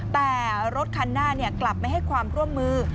แต่รถคันหน้ากลับไม่ให้ความร่วมมือ